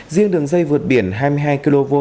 riêng đường dây vượt biển hai mươi hai kv